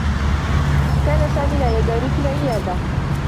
كان سامي لا يزال في العيادة.